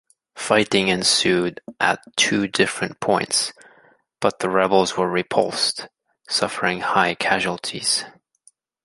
Fighting ensued at two different points, but the Rebels were repulsed, suffering high casualties.